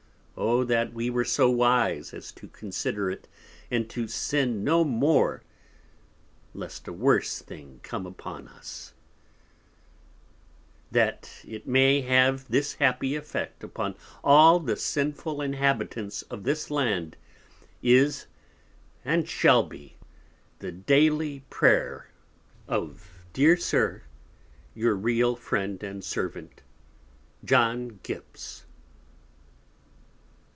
O that we were so wise as to consider it, and to sin no more lest a worse thing come upon us! That it may have this happy Effect upon all the sinful Inhabitants of this Land is, and shall be, the Dayly Prayer of Dear Sir, Your real Friend and Servant, John Gipps.